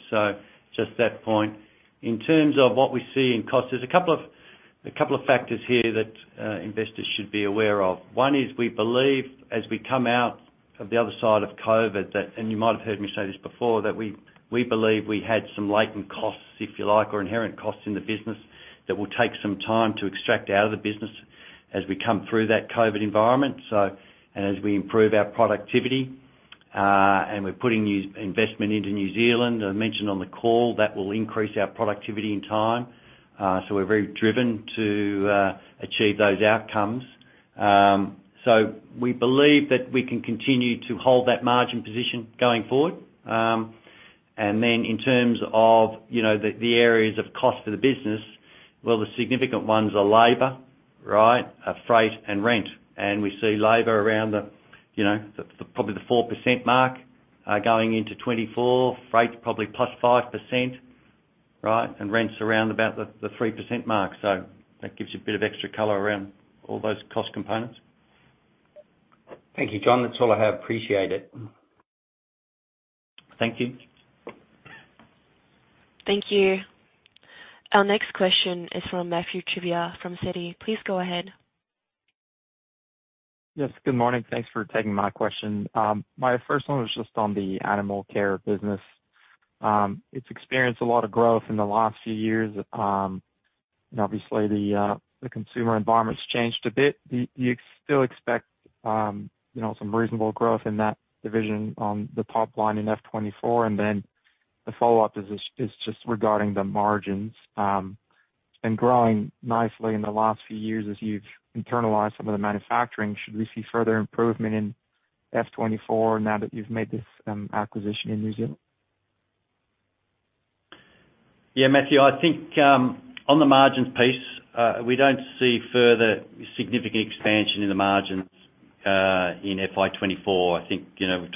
Just that point. In terms of what we see in costs, there's a couple of, a couple of factors here that investors should be aware of. One is, we believe as we come out of the other side of COVID, that, and you might have heard me say this before, that we, we believe we had some latent costs, if you like, or inherent costs in the business, that will take some time to extract out of the business as we come through that COVID environment. As we improve our productivity, and we're putting new investment into New Zealand, I mentioned on the call, that will increase our productivity in time. We're very driven to achieve those outcomes. We believe that we can continue to hold that margin position going forward. In terms of, you know, the areas of cost for the business, well, the significant ones are labor, right? Freight and rent. We see labor around the, you know, probably the 4% mark going into 2024. Freight, probably +5%, right? Rent's around about the 3% mark. That gives you a bit of extra color around all those cost components. Thank you, John. That's all I have. Appreciate it. Thank you. Thank you. Our next question is from Mathieu Chevrier from Citi. Please go ahead. Yes, good morning. Thanks for taking my question. My first one was just on the animal care business. It's experienced a lot of growth in the last few years, obviously the consumer environment's changed a bit. Do you still expect, you know, some reasonable growth in that division on the top line in F 24? The follow-up is, is just regarding the margins, it's been growing nicely in the last few years as you've internalized some of the manufacturing. Should we see further improvement in F 24 now that you've made this acquisition in New Zealand? Yeah, Mathieu, I think on the margins piece, we don't see further significant expansion in the margins in FY 2024. I think, you know,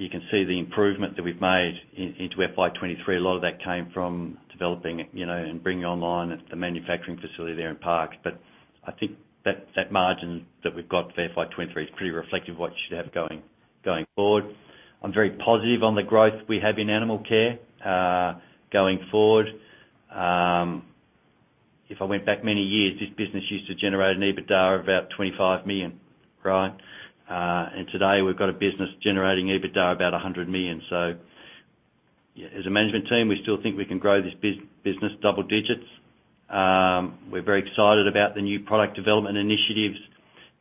you can see the improvement that we've made in, into FY 2023. A lot of that came from developing, you know, and bringing online the manufacturing facility there in Parkes. I think that, that margin that we've got for FY 2023 is pretty reflective of what you should have going, going forward. I'm very positive on the growth we have in animal care going forward. If I went back many years, this business used to generate an EBITDA of about 25 million, right? Today we've got a business generating EBITDA, about 100 million. As a management team, we still think we can grow this business double digits. We're very excited about the new product development initiatives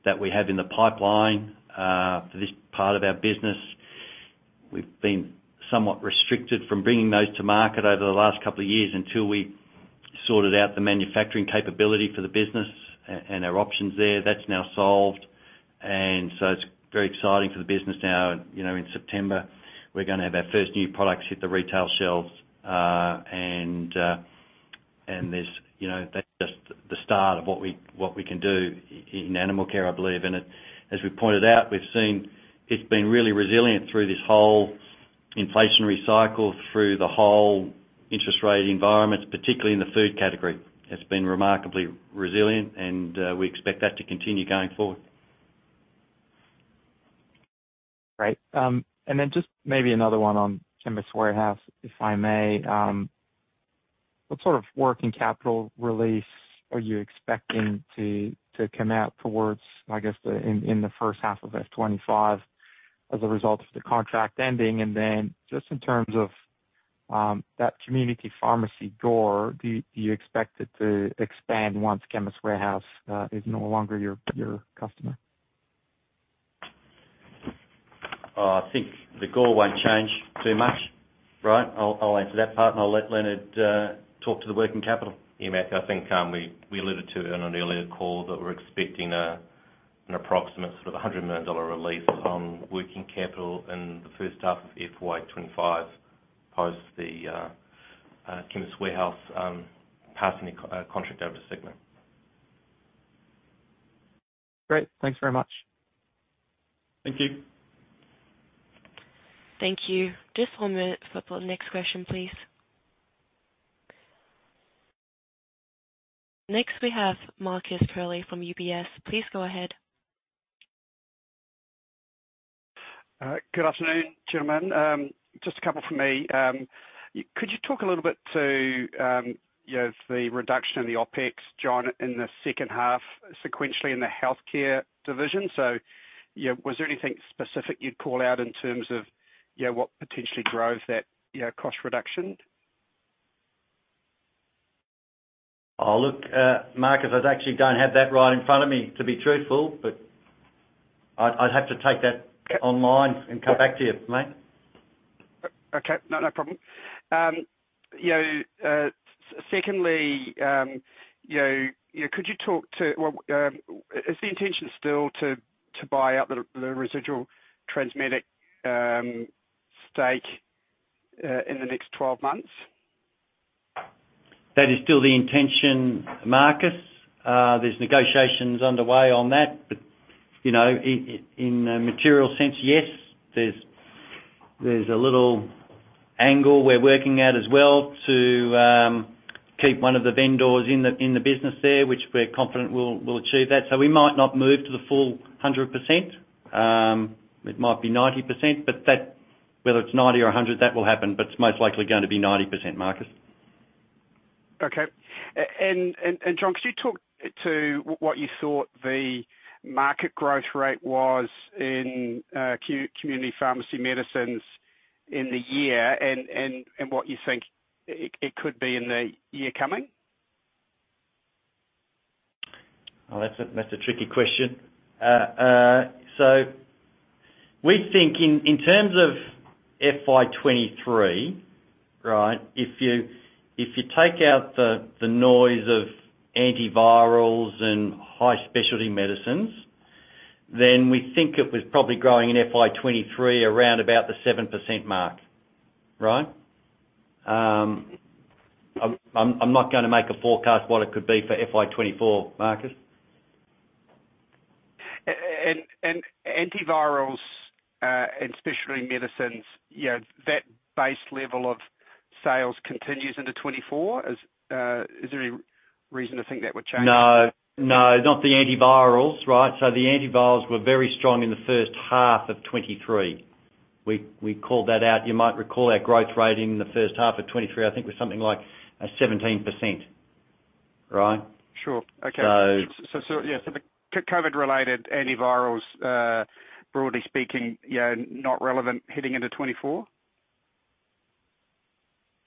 that we have in the pipeline for this part of our business. We've been somewhat restricted from bringing those to market over the last couple of years until we sorted out the manufacturing capability for the business and our options there. That's now solved, and so it's very exciting for the business now. You know, in September, we're gonna have our first new products hit the retail shelves, and there's, you know, that's just the start of what we, what we can do in animal care, I believe. As we pointed out, we've seen it's been really resilient through this whole inflationary cycle, through the whole interest rate environment, particularly in the food category. It's been remarkably resilient, and we expect that to continue going forward. Great. Just maybe another one on Chemist Warehouse, if I may. What sort of working capital release are you expecting to come out towards the H1 of F25 as a result of the contract ending? Just in terms of that community pharmacy door, do you expect it to expand once Chemist Warehouse is no longer your customer? I think the goal won't change too much, right? I'll, I'll answer that part, and I'll let Leonard talk to the working capital. Yeah, Matt, I think we, we alluded to in an earlier call that we're expecting an approximate sort of 100 million dollar release on working capital in the H1 of FY 2025, post the Chemist Warehouse passing the contract over to Sigma. Great. Thanks very much. Thank you. Thank you. Just 1 minute for the next question, please. Next, we have Marcus Curley from UBS. Please go ahead. Good afternoon, gentlemen. Just a couple from me. Could you talk a little bit to, you know, the reduction in the OpEx, John, in the second half, sequentially in the healthcare division? You know, was there anything specific you'd call out in terms of, you know, what potentially drove that, you know, cost reduction? Oh, look, Marcus, I actually don't have that right in front of me, to be truthful, but I'd, I'd have to take that online and come back to you, mate. Okay, no, no problem. you know, secondly, you know, could you talk to, Well, is the intention still to buy out the residual Transmedic stake in the next 12 months? That is still the intention, Marcus. There's negotiations underway on that, but, you know, i-in a material sense, yes, there's, there's a little angle we're working at as well to keep one of the vendors in the, in the business there, which we're confident we'll, we'll achieve that. We might not move to the full 100%. It might be 90%, but that, whether it's 90 or 100, that will happen, but it's most likely going to be 90%, Marcus. Okay. John, could you talk to what you thought the market growth rate was in community pharmacy medicines in the year and what you think it could be in the year coming? Well, that's a, that's a tricky question. We think in, in terms of FY 2023, right? If you, if you take out the, the noise of antivirals and high specialty medicines, then we think it was probably growing in FY 2023, around about the 7% mark, right? I'm, I'm, I'm not gonna make a forecast what it could be for FY 2024, Marcus. Antivirals, and specialty medicines, you know, that base level of sales continues into 2024? Is there any reason to think that would change? No, no, not the antivirals, right? The antivirals were very strong in the H1 of 2023. We, we called that out. You might recall our growth rate in the H1 of 2023, I think was something like 17%. Right? Sure. Okay. So- so yeah, so the C- COVID-related antivirals, broadly speaking, yeah, not relevant heading into 2024?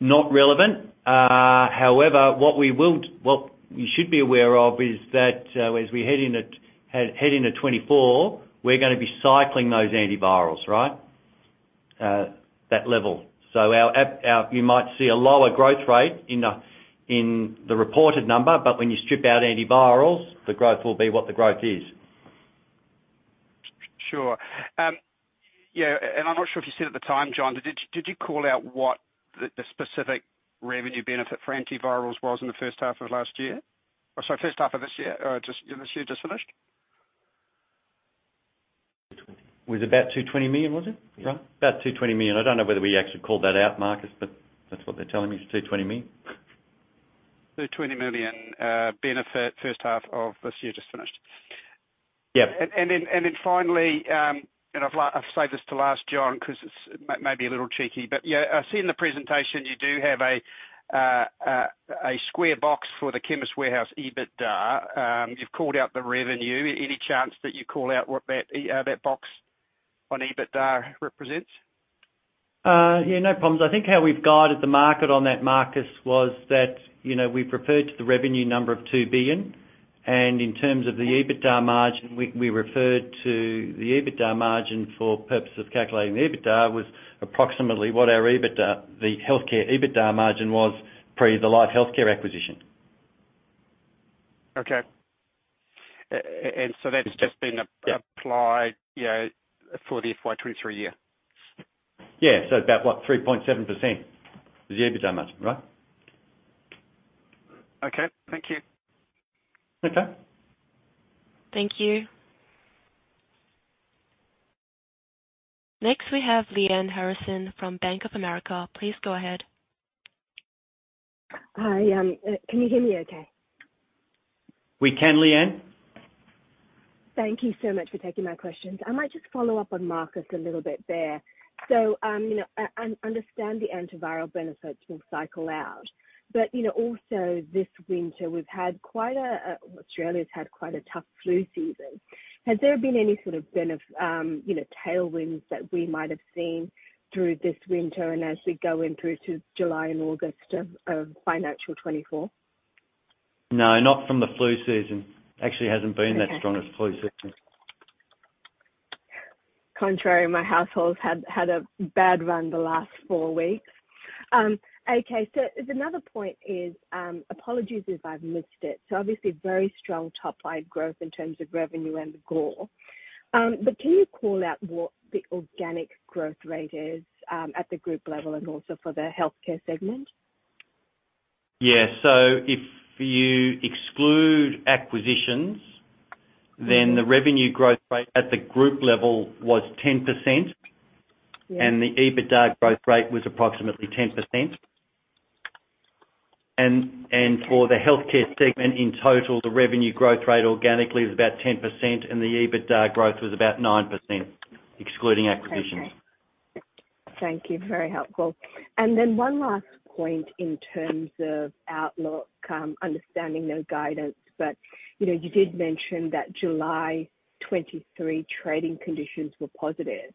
Not relevant. However, what we will what you should be aware of is that as we head into 2024, we're gonna be cycling those antivirals, right? That level. Our... You might see a lower growth rate in the reported number, but when you strip out antivirals, the growth will be what the growth is. Sure. Yeah, and I'm not sure if you said it at the time, John. Did you call out what the specific revenue benefit for antivirals was in the H1 of last year? Or sorry, H1 of this year, or just this year just finished? It was about 220 million, was it? Yeah. About 220 million. I don't know whether we actually called that out, Marcus, but that's what they're telling me, is 220 million. 220 million benefit H1 of this year just finished. Yep. Then, and then finally, and I've saved this to last, John, 'cause it's maybe a little cheeky, but yeah, I see in the presentation you do have a square box for the Chemist Warehouse EBITDA. You've called out the revenue. Any chance that you call out what that box on EBITDA represents? Yeah, no problems. I think how we've guided the market on that, Marcus, was that, you know, we've referred to the revenue number of 2 billion, and in terms of the EBITDA margin, we referred to the EBITDA margin for purposes of calculating the EBITDA, was approximately what our EBITDA. The healthcare EBITDA margin was, pre the LifeHealthcare acquisition. Okay. that's just been- Yeah. applied, you know, for the FY 23 year? Yeah. about what? 3.7%, the EBITDA margin, right? Okay, thank you. Okay. Thank you. Next, we have Lyanne Harrison from Bank of America. Please go ahead. Hi, can you hear me okay? We can, Lyanne. Thank you so much for taking my questions. I might just follow up on Marcus a little bit there. you know, understand the antiviral benefits will cycle out, but, you know, also this winter, we've had quite a, Australia's had quite a tough flu season. Has there been any sort of benef- you know, tailwinds that we might have seen through this winter and as we go in through to July and August of, of financial 2024? No, not from the flu season. Actually, it hasn't been- Okay that strong a flu season. Contrary, my household's had a bad run the last four weeks. Okay, there's another point is, apologies if I've missed it. Obviously very strong top-line growth in terms of revenue and the GOR. Can you call out what the organic growth rate is at the group level and also for the healthcare segment? Yeah. If you exclude acquisitions, the revenue growth rate at the group level was 10%. Yeah. The EBITDA growth rate was approximately 10%. For the healthcare segment, in total, the revenue growth rate organically is about 10%, and the EBITDA growth was about 9%, excluding acquisitions. Okay. Thank you. Very helpful. Then one last point in terms of outlook, understanding no guidance, but, you know, you did mention that July 23 trading conditions were positive.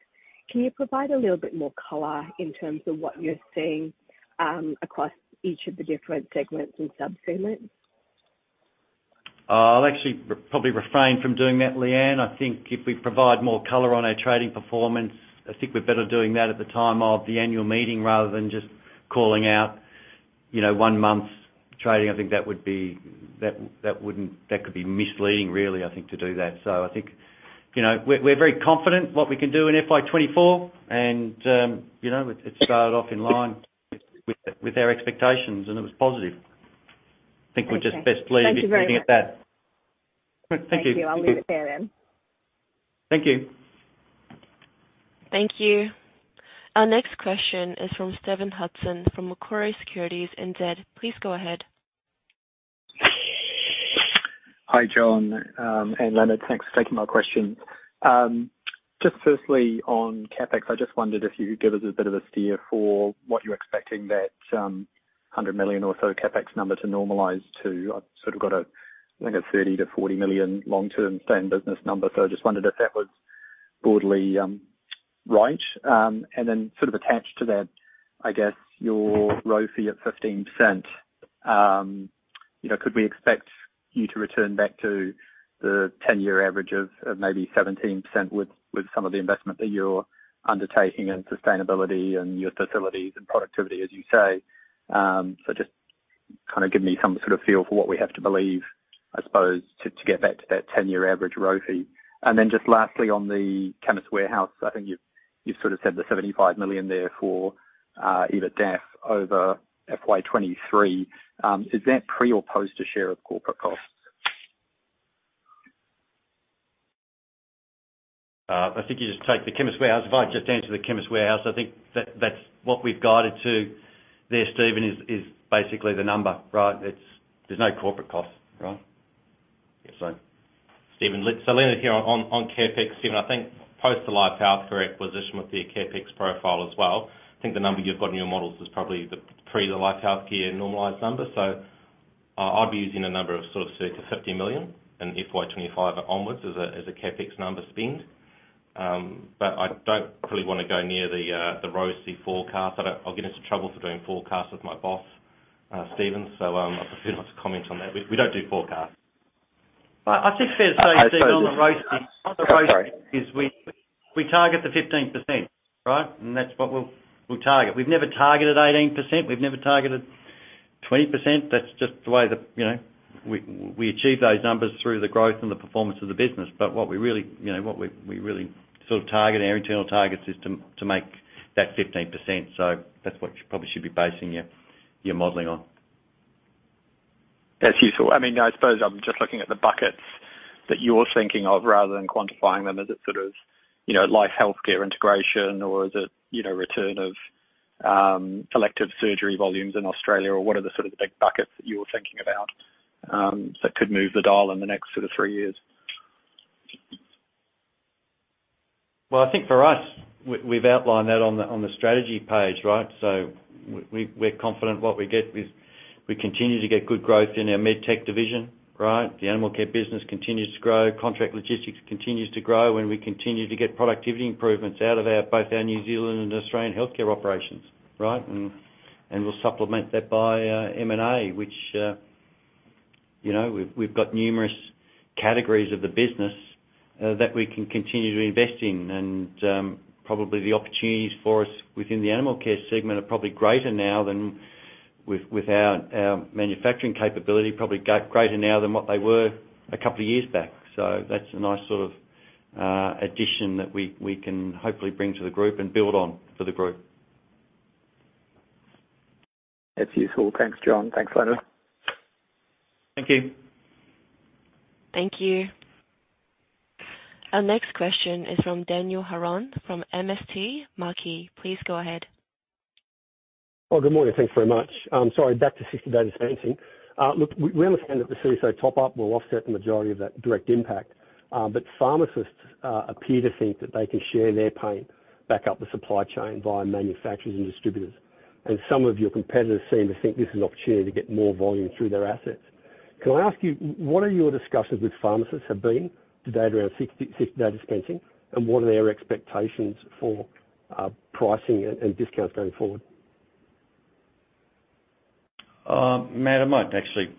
Can you provide a little bit more color in terms of what you're seeing, across each of the different segments and subsegments? I'll actually probably refrain from doing that, Lyanne. I think if we provide more color on our trading performance, I think we're better doing that at the time of the annual meeting rather than just calling out, you know, one month's trading. I think that would be misleading, really, I think, to do that. I think, you know, we're very confident what we can do in FY 2024 and, you know, it started off in line with our expectations, and it was positive. Okay. I think we're just best pleased- Thank you very much. leaving it at that. Thank you. Thank you. I'll leave it there then. Thank you. Thank you. Our next question is from Stephen Hudson, from Macquarie Securities ANZ. Please go ahead. Hi, John, and Leonard. Thanks for taking my questions. Just firstly, on CapEx, I just wondered if you could give us a bit of a steer for what you're expecting that $100 million or so CapEx number to normalize to. I've sort of got a, I think, a 30 million-40 million long-term same business number. I just wondered if that was broadly right. Then sort of attached to that, I guess, your ROCE at 15%, you know, could we expect you to return back to the 10-year average of, of maybe 17% with, with some of the investment that you're undertaking in sustainability and your facilities and productivity, as you say? Just kind of give me some sort of feel for what we have to believe, I suppose, to, to get back to that 10-year average ROCE. Just lastly, on the Chemist Warehouse, I think you've, you've sort of said the 75 million there for EBITDAF over FY 2023. Is that pre or post to share of corporate costs? I think you just take the Chemist Warehouse. If I just answer the Chemist Warehouse, I think that's what we've guided to there, Stephen, is, is basically the number, right? It's. There's no corporate cost, right? Yeah. Stephen, let's Leonard here on, on CapEx, Stephen, I think post the LifeHealthcare correct position with the CapEx profile as well, I think the number you've got in your models is probably the pre the LifeHealthcare normalized number. I'd be using a number of sort of 30 million-50 million in FY 2025 onwards as a, as a CapEx number spend. I don't really wanna go near the ROFE forecast. I'll get into trouble for doing forecasts with my boss, Stephen, I prefer not to comment on that. We, we don't do forecasts. I think fair to say, Stephen, on the ROFE- Sorry. On the ROFE, is we, we target the 15%, right? That's what we'll, we'll target. We've never targeted 18%. We've never targeted 20%. That's just the way that, you know, we, we achieve those numbers through the growth and the performance of the business. What we really, you know, what we, we really sort of target our internal target is to, to make that 15%. That's what you probably should be basing your, your modeling on. That's useful. I mean, I suppose I'm just looking at the buckets that you're thinking of, rather than quantifying them. Is it sort of, you know, LifeHealthcare integration, or is it, you know, return of elective surgery volumes in Australia, or what are the sort of the big buckets that you were thinking about that could move the dial in the next sort of three years? Well, I think for us, we've outlined that on the strategy page, right? We're confident what we get is we continue to get good growth in our Medtech division, right? The Animal Care business continues to grow. Contract Logistics continues to grow, and we continue to get productivity improvements out of our, both our New Zealand and Australian healthcare operations, right? We'll supplement that by M&A, which, you know, we've got numerous categories of the business that we can continue to invest in. Probably the opportunities for us within the Animal Care segment are probably greater now than with, with our, our manufacturing capability, probably greater now than what they were a couple of years back. That's a nice sort of, addition that we, we can hopefully bring to the group and build on for the group. That's useful. Thanks, John. Thanks, Leonard. Thank you. Thank you. Our next question is from Dan Hurren, from MST Marquee. Please go ahead. Well, good morning. Thanks very much. Sorry, back to 60-day dispensing. Look, we, we understand that the CSO top up will offset the majority of that direct impact, pharmacists appear to think that they can share their pain back up the supply chain by manufacturers and distributors. Some of your competitors seem to think this is an opportunity to get more volume through their assets. Can I ask you, what are your discussions with pharmacists have been to date around 60-day dispensing, and what are their expectations for pricing and discounts going forward? Matt, I might actually.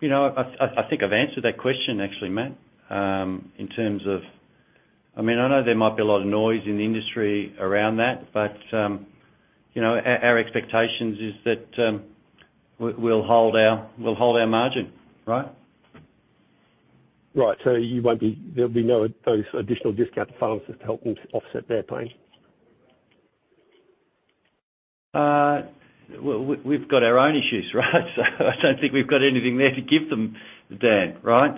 You know, I, I, I think I've answered that question, actually, Matt, in terms of. I mean, I know there might be a lot of noise in the industry around that, but, you know, our, our expectations is that we, we'll hold our, we'll hold our margin, right? Right. There'll be no those additional discounts to pharmacists to help them to offset their pain? Well, we, we've got our own issues, right? I don't think we've got anything there to give them, Dan, right?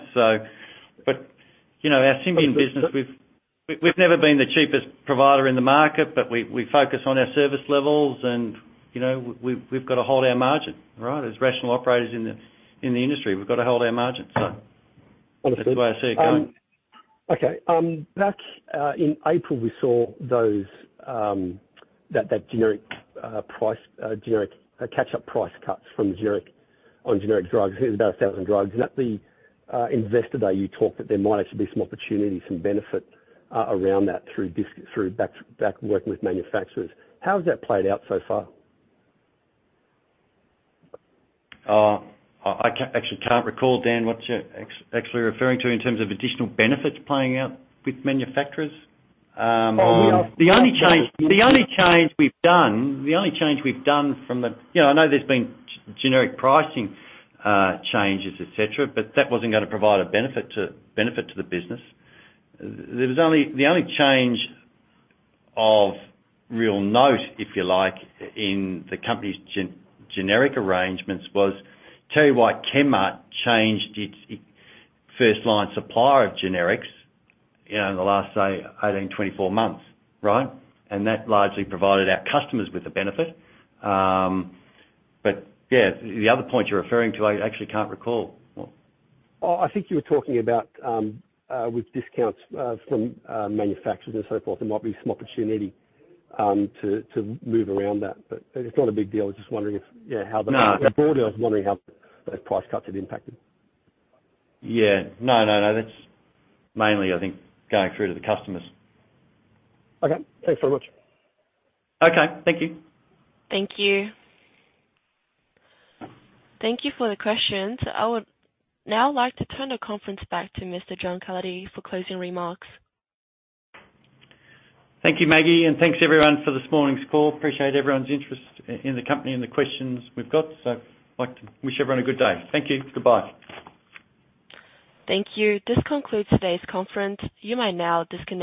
You know, our Symbion business, we've never been the cheapest provider in the market, but we, we focus on our service levels, and, you know, we've, we've got to hold our margin, right? As rational operators in the industry, we've got to hold our margins. Understood That's the way I see it going. Okay. Back in April, we saw those that, that generic price generic catch-up price cuts from generic, on generic drugs. It was about 1,000 drugs. At the Investor Day, you talked that there might actually be some opportunity, some benefit around that, through through back, back working with manufacturers. How has that played out so far? I, I actually can't recall, Dan, what you're actually referring to in terms of additional benefits playing out with manufacturers. Well, we are- The only change, the only change we've done, the only change we've done from the... You know, I know there's been generic pricing, changes, et cetera, but that wasn't gonna provide a benefit to, benefit to the business. The only change of real note, if you like, in the company's generic arrangements was, TerryWhite Chemmart changed its, it first line supplier of generics, you know, in the last, say, 18, 24 months, right? That largely provided our customers with the benefit. But yeah, the, the other point you're referring to, I actually can't recall. Oh, I think you were talking about, with discounts, from manufacturers and so forth, there might be some opportunity, to move around that, but it's not a big deal. I was just wondering if, you know, how the- No. Broadly, I was wondering how those price cuts have impacted. Yeah. No, no, no, that's mainly, I think, going through to the customers. Okay. Thanks very much. Okay. Thank you. Thank you. Thank you for the questions. I would now like to turn the conference back to Mr. John Cullity for closing remarks. Thank you, Maggie. Thanks everyone for this morning's call. Appreciate everyone's interest in the company and the questions we've got. Like to wish everyone a good day. Thank you. Goodbye. Thank you. This concludes today's conference. You may now disconnect.